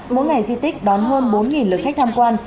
mỗi ngày di tích đón hơn bốn lượt khách tham quan